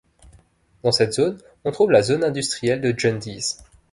Dans cette zone on trouve la zone industrielle de Jundiz.